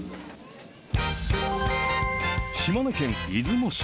島根県出雲市。